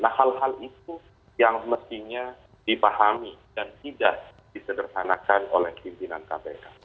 nah hal hal itu yang mestinya dipahami dan tidak disederhanakan oleh pimpinan kpk